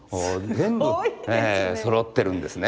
全部そろってるんですね。